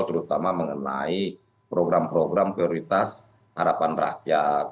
terutama mengenai program program prioritas harapan rakyat